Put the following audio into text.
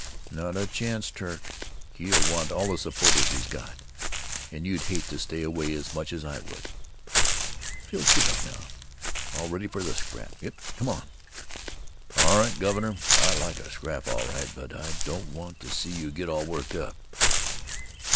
"Not a chance, Turk. He'll want all the supporters he's got. And you'd hate to stay away as much as I would. I feel cheered up now; all ready for the scrap. Yip! Come on!" "All right, governor. I like the scrap, all right, but I don't want to see you get all worked up."